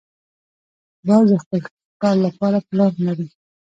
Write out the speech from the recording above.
باز د خپل ښکار لپاره پلان لري